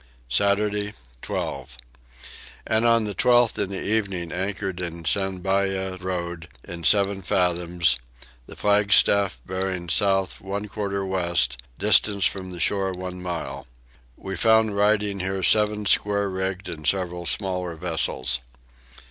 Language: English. Saturday 12. And on the 12th in the evening anchored in Sourabaya road in seven fathoms: the flagstaff bearing south one quarter west; distance from the shore one mile. We found riding here seven square rigged and several smaller vessels.